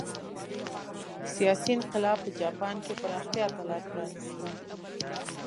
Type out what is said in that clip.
سیاسي انقلاب په جاپان کې پراختیا ته لار پرانېسته.